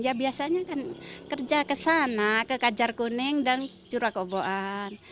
ya biasanya kan kerja ke sana ke kajar kuning dan curakoboan